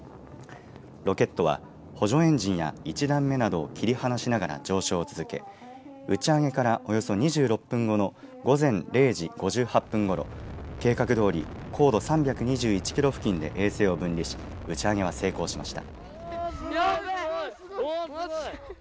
ロケットは補助エンジンや１段目などを切り離しながら上昇を続け打ち上げから、およそ２６分後の午前０時５８分ごろ計画どおり高度３２１キロ付近で衛星を分離し打ち上げは成功しました。